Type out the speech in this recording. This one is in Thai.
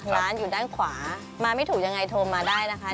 ร้านอยู่ด้านขวามาไม่ถูกยังไงโทรมาได้นะคะ